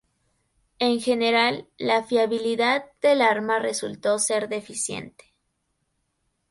En general, la fiabilidad del arma resultó ser deficiente.